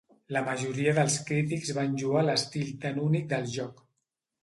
La majoria dels crítics van lloar l'estil tan únic del joc.